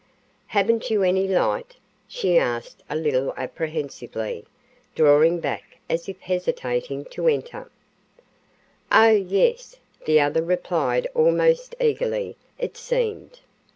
"Haven't you any light?" she asked a little apprehensively, drawing back as if hesitating to enter. "Oh, yes," the other replied almost eagerly, it seemed.